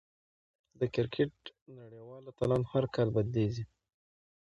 د کرکټ نړۍوال اتلان هر کال بدلېږي.